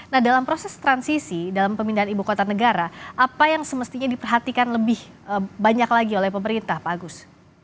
nah dalam proses transisi dalam pemindahan ibu kota negara apa yang semestinya diperhatikan lebih banyak lagi oleh pemerintah pak agus